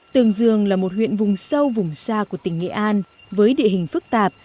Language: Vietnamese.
tương dương là một huyện vùng sâu vùng xa của tỉnh nghệ an với địa hình phức tạp